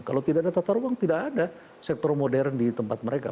kalau tidak ada tata ruang tidak ada sektor modern di tempat mereka